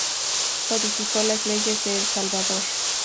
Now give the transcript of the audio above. Codificó las Leyes de El Salvador.